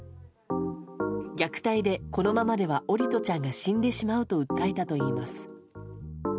虐待でこのままでは桜利斗ちゃんが死んでしまうと訴えたといいます。